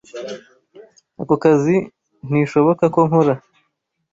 Ako kazi ntishoboka ko nkora.